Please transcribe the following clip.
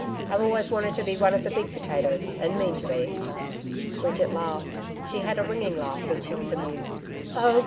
I've always wanted to be one of the big potatoes, and mean to be.' Bridget laughed. She had a ringing laugh when she was amused. 'Oh!